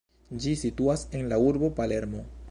Ĝi situas en la urbo Palermo.